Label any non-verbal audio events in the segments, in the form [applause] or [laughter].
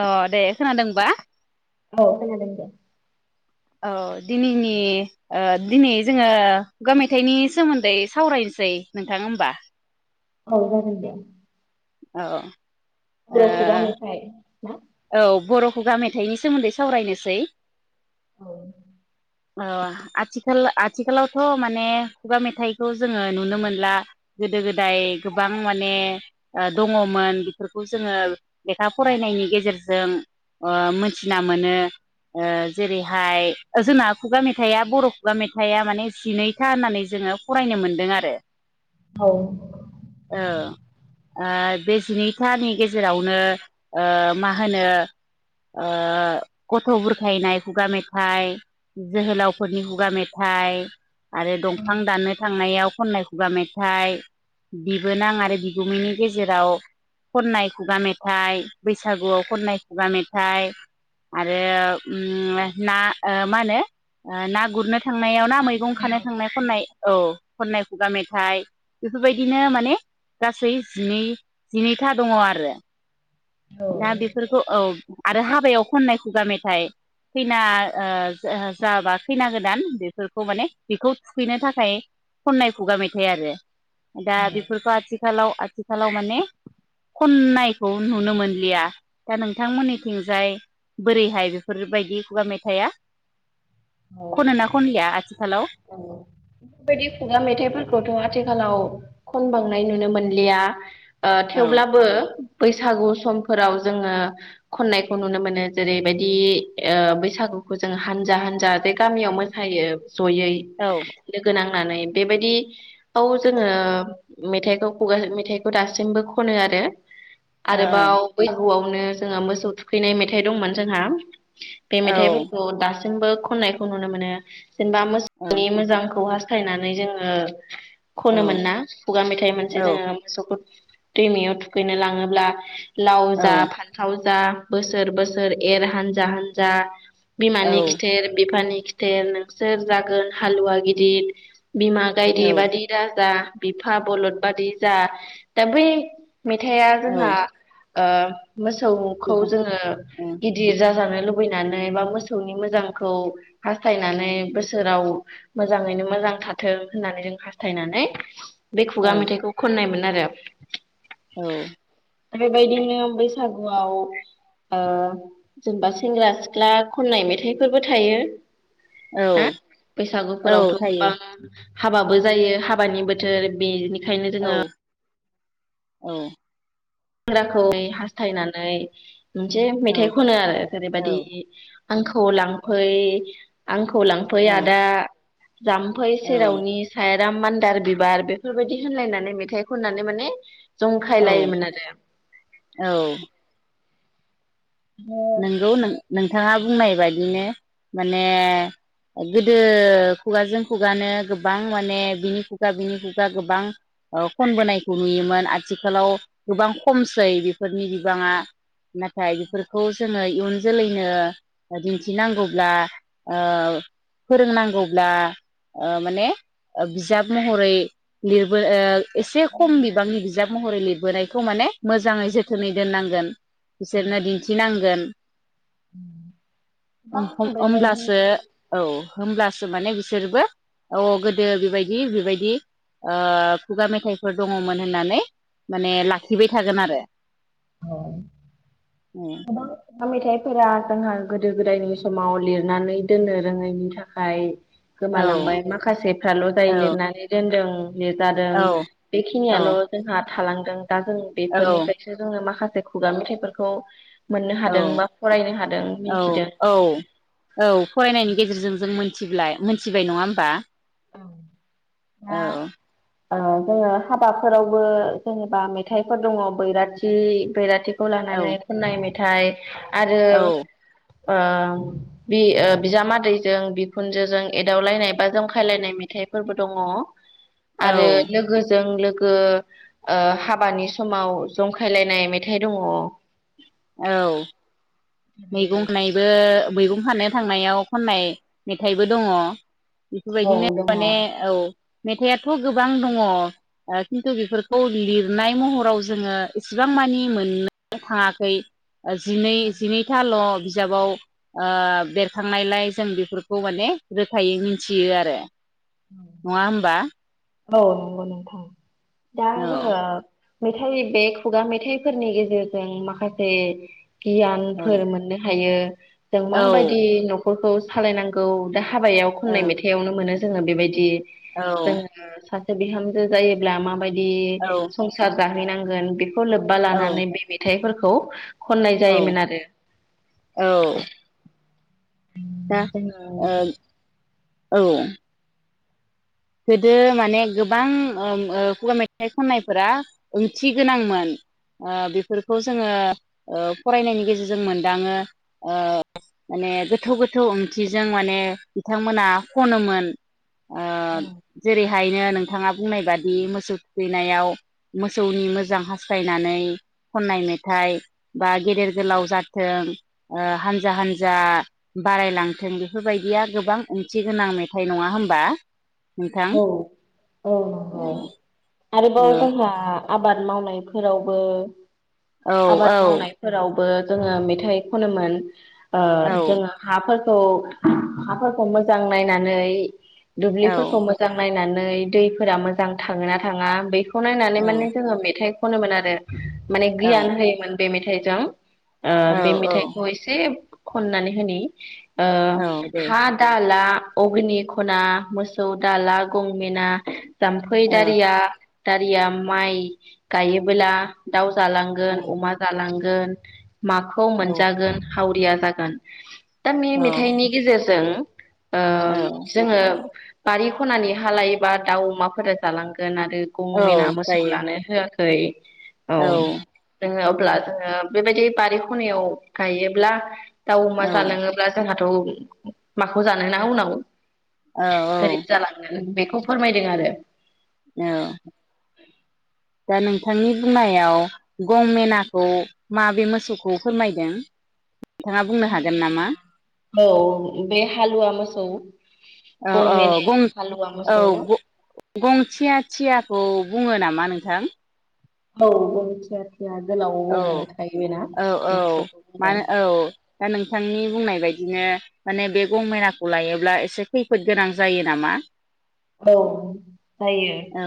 अ दे। खोनादोंबा? औ खोनादों दे। औ ओ दिनैनि दिनै जोङो खुगामेथाइनि सोमोन्दै सावरायनोसै नोंथां होमबा। औ जागोन दे। औ। ओ बर' खुगा मेथाय औ बर' खुगा मेथाइनि सोमोन्दै सावरायनोसै। औ। ओ आथिखाल आथिखालावथ' माने खुगा मेथाइखौ जोङो नुनो मोनला गोदो-गोदाय गोबां माने ओ दङमोन बेफोरखौ जोङो लेखा फरायनायनि गेजेर जों ओ मोनथिना मोनो जेरैहाय जोंना खुगा मेथाइआ बर' खुगा मेथाइआ माने जिनैथा होननानै जोङो फरायनो मोनदों आरो औ। औ ओ बे जिनैथानि गेजेरावनो ओ मा हो मा होनो ओ गथ' बुरखायनाय खुगा मेथाइ जोहोलावफोरनि खुगा मेथाइ आरो दंफां दाननो थांनायाव खननाय खुगा मेथाइ बिबोनां आरो बिगुमैनि गेजेराव खननाय खुगा मेथाइ बैसागुआव खननाय खुगा मेथाइ आरो उम ना मा होनो ओ ना गुरनो थांनायाव ना मैगं खानो थांनाय खननाय औ खन्नाय खुगा मेथाइ बेफोरबायदिनो माने गासै जिनै जिनैथा दङ आरो। औ। दा बेफोरखौ औ आरो हाबायाव खननाय खुगा मेथाइ खैना ओ जा-जाबा खैना गोदान बेफोरखौ माने बेखौ थुखैनो थाखाय खननाय खुगा मेथाइ आरो। दा बेफोरखौ आथिखालाव आथिखालाव माने खननायखौ नुनो मोनलिया दा नोंथांमोननिथिंजाय बोरैहाय बेफोरबायदि खुगा मेथाइया औ औ बेफोरबायदि खुगा मेथाइफोरखौथ' आथिखालाव खन बांनाय नुनो मोनलिया ओ औ थेवब्लाबो बैसागु समफोराव जोङो खननायखौ नुनो मोनो जेरैबायदि ओ बैसागुखौ जों हानजा हानजा गामियाव मोसायो जयै औ लोगो नां नानै बेबायदिखौ जोङो मेथाइखौ मेथाइखौ दासिमबो खनो आरो आरोबाव बैहुआव नो जोंहा मोसौ थुखैनाय मेथाइ दंमोन जोंहा बे औ मेथाइफोरखौ दास जोंबो खनाय नुनो मोनो जेनेबा औ मोसौनि [inaudible] मोजांखौ हास थायनानै जोङो खनो औ मोन ना खुगा मेथाइ मोनसे औ जोङो मोसौखौ दैमायाव थुखैनो लाङोब्ला लाव औ जा फान्थाव जा बोसोर बोसोर एर हानजा हानजा बिमानि खिथेर बिफानि खिथेर नोंसोर जागोन हालुवा गिदिर बिमा गायदे औ बादि दाजा बिफा बलद बादि जा दा बै मेथाइआ जोंहा औ ओ मोसौखौ गोबां जोङो औ गिदिर जाजानो लुबैनानै बा मोसौनि मोजां खौ हास्थायनानै बोसोराव मोजाङैनो मोजां थाथों होननानै जों हास्थायनानै बे खुगा औ मेथाइखौ खननाय मोनो आरो औ बेबायदिनो बैसागुआव ओ जेनेबा सेंग्रा सिख्ला खननाय मेथाइ फोरबो थायो हा औ औ बैसागुफोरावथ' थायो गोबां हाबाबो जायो हाबानि बोथोर बे ओंखायनो औ जोङो औ। सेंग्राखौ [unintelligible] हास्थायनानै मोनसे औ मेथाइ खनो आरो जेरै औ बायदि आंखौ लांफै आंखौ खौ लांफै औ आदा। जाम्फै औ सेरावनि सा राम मान्दार बिबार बेफोरबायदि होनलायनानै मेथाइ खननानै माने जंखाय औ लायोमोन आरो। औ। नोंगौ नों नोंथाङा बुंनाय बादिनो माने गोदो खुगाजों खुगानो गोबां माने बिनि खुगा बिनि खुगा गोबां ओ खनबोनायखौ नुयोमोन आथिखालाव गोबां खमसै बेफोरनि बिबाङा नाथाय बेफोर। खौ जोङो इयुन जोलैनो दिन्थिनांगौब्ला ओ फोरोंनांगौब्ला ओ माने बिजाब महरै लिरबो ओ एसे खम बिबांनि बिजाब महरै लिरबोनाय बखौ माने मोजाङै जोथोनै दोननांगोन। बिसोरनो दि नांगोन। [unintelligible] होमब्लासो औ। होमब्लासो माने बिसोरबो अ गोदो बेबायदि बेबायदि ओ खुगा मेथाइफोर दङमोन होननानै माने लाखिबाय थागोन आरो। औ। ओं। मेथाइफोरा जोंहा गोदो-गोदायनि समाव लिरनानै दोननो रोङैनि थाखाय। गोमालांबाय औ माखासेफ्राल' जाय लिरनानै दोनदों औ लिरजादों औ बेखिनियाल' जोंहा। थालांदों। दा जों औ बेफोरनिफ्रायसो माखासे खुगा मेथाइफोरखौ मोननो औ हादों बा फरायनो हादों मिथिदों औ औ फरायनायनि गेजेरजों जों मोन मिथिब्लाय मिथिबाय नङा होमबा? औ। ओ जोङो हाबाफोरावबो जेनेबा मेथाइफोर दङ बैराथि बैराथि खौ औ लानानै खननाय मे थाइ आरो औ ओ बि ओ बिजामादैजों बिखुनजोजों एदावलायनाय बा जंखा खायलायनाय मेथाइफोरबो दङ औ आरो लोगोजों लोग लोगो ओ हाबानि समाव जंखायलायनाय मेथाइ दङ औ मैगं खानायबो मैगं खानो थांनायाव खननाय मेथाइबो दङ बेफोरबायदिनो माने औ मेथाइआथ गोबां दङ खिन्थु बेफोरखौ लिरनाय महराव जोङो एसेबां मानि मोननो थाङाखै जिनै जिनैथाल' बिजाबाव ओ बेरखांनायलाय जों बेफोरखौ माने रोखायै मिथियो आरो नङा होमबा औ नंगौ नोंथां दा औ जोङो मेथाइ बे खुगा मेथाइफोरनि गेजेरजों माखासे औ गियानफोर मोननो हायो [unintelligible] जों मा औ बायदि न नखरखौ सालायनांगौ दा हाबायाव खननाय मेथाइआवनो मोनो जोङो बेबायदि औ जोङो सा बिहामजो जायोब्ला माबाय दि संसार जाहैनांगोन बे खौ लोब्बा औ लानानै बे मेथाइफोर खौ खननाय औ जायोमोन आरो औ दा ओ जोङो औ गोदो माने गोबां ओ खुगा मेथाइ खननायफोरा ओंथि गोनांमोन ओ बेफोरखौ जोङो ओ फरायनायनि गेजेरजों मोनदाङो माने गोथौ गोथौ ओंथिजों माने बिथांमोना खनोमोन ओ [unintelligible] जेरैहायनो नोंथाङा बुंनाय बादि मोसौ थुखैनायाव मोसौनि मोजां हास्थायनानै खननाय मेथाइ बा गेदेर गोलाव जाथों ओ हानजा हानजा बारायलांथों बेफोरबायदिया गोबां ओंथि गोनां मेथाइ नङा होमबा? नोंथां? औ औ औ आरोबाव ओ गहा आबाद मावनायफोरावबो औ आबाद मावनायफोरावबो जोङो मेथाइ खनोमोन ओ औ जोङो हाफोर औ हाफोरखौ मोजां नायनानै दुब्लिफोरखौ मो नायनानै दैफोरा मोजां थाङोना थाङा बै खौ नायनानै माने जोङो मेथाइ खनोमोन आरो माने औ गियान होयोमोन बे मेथाइ जों। ओ बे औ मेथाइखौ एसे ख'ननानै होनि ओ औ दे हा दा ला अग्नि खना मोसौ दाला गंमेना जाम्फै औ दारिया दारिया माइ गायोबोला दाउ जालांगोन अमा जालांगोन गोन माखौ औ मोनजागोन हावरिया जागोन दा औ बे-मेथाइनि गेजेरजों ओ जोङो बारि खनानि हा लायोबा दाउ अमाफोरा जालांगोन गोन आरो गं मेना औ जायो औ मोसौ लानो होआखै खै औ जोङो अब्ला जोङो बेबायदि बारि खनायाव गायोब्ला दाउ अमा जालाङोब्ला जोंहा थ' माखौ जानो ना उनाव गोरिब जालांङो बेखौ खौ फोरमायदों आरो औ दा नोंथांनि बुंनायाव गं मेनाखौ माबे मोसौखौ फोरमायदों? नोंथाङा बुंनो हागोन नामा? औ बे हालुवा मोसौ औ औ गंमेने गं हालुवा औ मोसौ गंथिया थियाखौ बुङो नामा? नोंथां औ गं थिया औ औ बे औ मोसौखौ बुंदों मानो औ दा नोंथांनि बुंनाय बायदि बायदिनो माने बे गंमैनाखौ लायोब्ला एसे खैफोद गोनां जायो नामा? औ जायो औ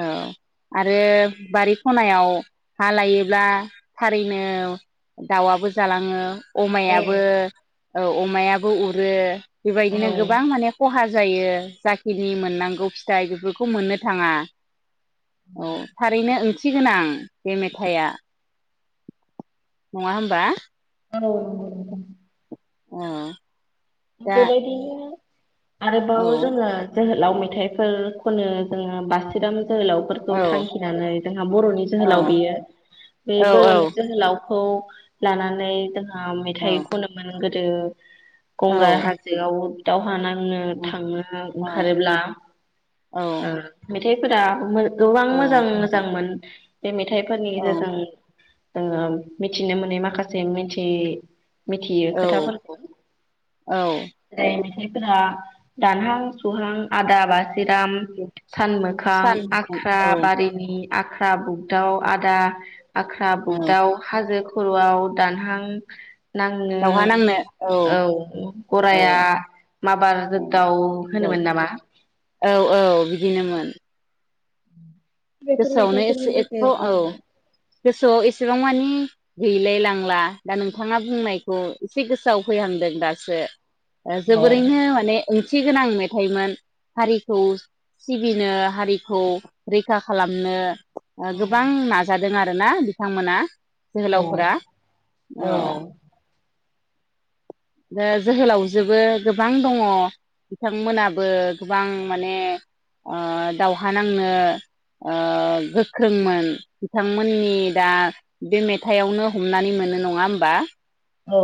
औ आरो बारि खनायाव हा लायोब्ला थारैनो दाउआबो जालाङो । अमायाबो औ अमायाबो उरो बेबायदिनो औ गोबां माने खहा जायो जाखिनि मोननांगौ फिथाइ बेफोरखौ मोननो थाङा । औ थारैनो ओंथिगोनांं बे मेथाइआ नङा होमबा औ‌ नंगौ अ बेबायदिया औ आरोबाव जोङो जोहोलाव मेथाइफोर खनो जोङो बासिराम जोहोलावफोरखौ औ थांखिनानै जोंहा बर'नि औ जोहोलाव बेयो औ बे बर'नि जोहोलाव खौ लानानै जो अ मेथाइ खनो मोन गोद आरो गंगार हाजोआव दावहा नांनो थांनो ओंखारोब्ला औ ओ थेफोरा गोबां मोजां औ मोजांमोन [inaudible] बे मेथाइफोरनि गेजेरजों ओ मिथिनो मोनै माखासे मिथि मिथियो औ खोथाफोरखौ औ जाय मेथाइफोरा दानहां सौहां आदाबा सिराम सान मोखां सान आख्रा औ बारिनि आख्रा बुगदाव आदा आख्रा औ बुगदाव हाजो खर'आव दानहां नांनो दावहा नांनो औ औ औ गरायआ माबार जोगदाव होनोमोन नामा औ औ [inaudible] गोसोआवनो एसे एथ' औ गोसोआव एसेबां मानि गैलाय लांला दा नोंथाङा बुंनायखौ एसे गोसोआव फैहांदों दासो ओ जोबोरैनो माने थि गोनां मेथाइमोन हारिखौ सिबिनो हारिखौ रैखा खालामनो गोबां नाजादों आरो आरोना बिथांमोना जोहोलावफोरा औ जोहोलावजोबो गोबां दङ बिथांमोनाबो गोबां माने ओ दावहा नांनो ओ गोख्रोंमोन बिथांमोननि दा बे मेथाइआवनो हमनानै मोनो नङा होमबा औ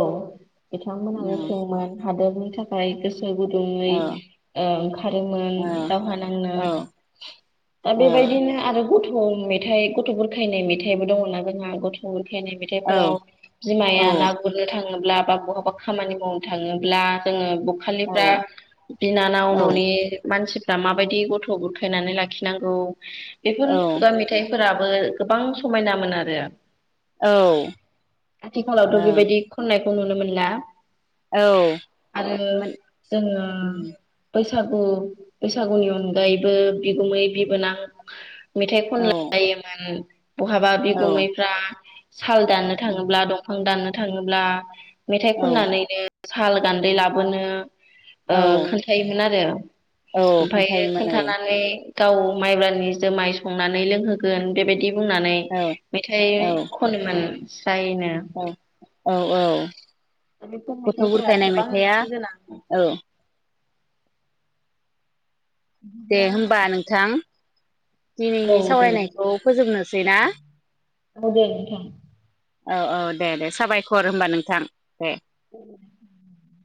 बिथांमोनाबो गोख्रोंमोन हादोर थाखाय गोसो गुदुङै औ ओ ओंखारोमोन औ दावहा नांनो औ दा बेबायदिनो आरो गथ' गथ' मेथाइ गथ' बुरखायनाय मेथाइबो दङना जोंहा गथ' खायनाय औ मेथाइफोराव बिमाया ना थाङोब्ला बा बहाबा खामानि मावनो थाङोब्ला जोङो बखालिफ्रा औ बिनानाव औ न'नि मानसि दा माबायदि गथ' बुरखायनानै लाखिनांगौ बेफोर औ खुगा मेथाइ फोराबो गोबां समायनामोन आरो औ औ। खौ नुनो मोनला। आरो मोन जोङो उम बै बैसागु बैसागुनि अनगायैबो बिगुमै बिबोनां मेथाइ औ खनलायोमोन। बहाबा औ बिगुमैफ्रा साल दाननो उम थाङोब्ला दंफां दाननो थाङो ब्ला मेथाइ औ खननानैनो। साल गान्दै लाबोनो ओ औ खोन्थायोमोन आरो औ ओमफाय खोन्थायोमोन खोन्थानानै। गाव माइब्रानि जोमाय संनानै लोंहोगोन बेबायदि। बुंनानै औ मेथाइ औ खनोमोन। स्रायनो औ औ औ। [inaudible] गथ' बुरखायनाय मेथाइआ औ [unintelligible] दे होमबा नोंथां दिनैनि सावरायनायखौ फोजोबनो ना। औ दे। औ औ दे दे साबायखर होमबा नोंथां दे। औ [unintelligible]